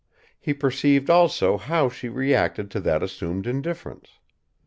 He perceived also how she reacted to that assumed indifference.